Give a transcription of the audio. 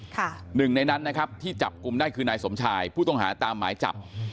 หนึ่งในนั้นนะครับที่จับกลุ่มได้คือนายสมชายผู้ต้องหาตามหมายจับ